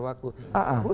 tidak dikejar waktu